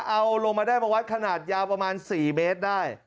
เอาลงมาได้มาวัดขนาดยาวประมาณ๔เมตรได้